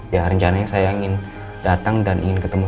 ya rencananya saya ingin datang dan ingin ketemu